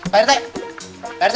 pak rt pak rt